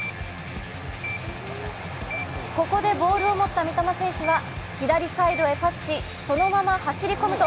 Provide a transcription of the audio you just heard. ここでボールを持った三笘選手は左サイドへパスし、そのまま走り込むと